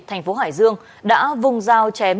thành phố hải dương đã vùng dao chém